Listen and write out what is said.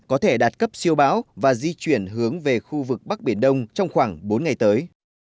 có thể đạt cấp siêu bão và di chuyển hướng về khu vực bắc biển đông trong khoảng bốn ngày tới